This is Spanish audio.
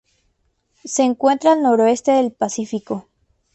Se encuentran al noroeste del Pacífico.